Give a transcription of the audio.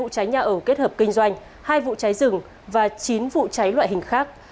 đã ở kết hợp kinh doanh hai vụ cháy rừng và chín vụ cháy loại hình khác